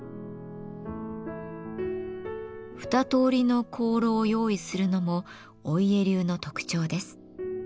二通りの香炉を用意するのも御家流の特徴です。